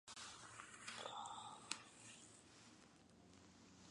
Collectively, these type of deposits are known as "porphyry copper deposits".